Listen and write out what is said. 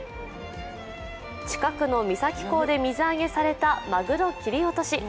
近くの三崎港で水揚げされたまぐろ切り落とし。